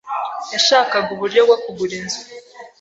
Yashakaga uburyo bwo kugura inzu.